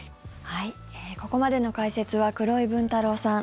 ここまでの解説は黒井文太郎さん